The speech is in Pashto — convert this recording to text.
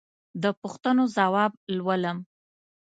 د پوښتنو ځواب لولم.